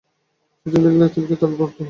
চিঠি লিখলে তিলকে তাল করে তোলা হত।